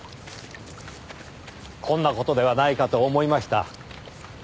こんな事ではないかと思いました。